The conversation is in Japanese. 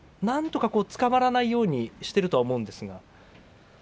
なんとかつかまらないようにしていると思うんですが。